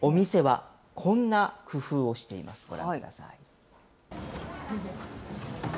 そこで、お店はこんな工夫をしています。